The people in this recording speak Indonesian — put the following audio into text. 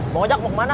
mau ngajak mau kemana